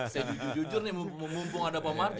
sejujur jujur nih mumpung ada pemargin